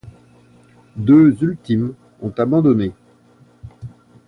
Deux Ultime ont abandonné.